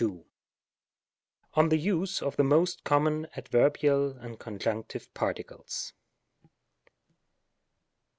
§142. Ok the use of the most common Adveebial AND Conjunctive Paetioles.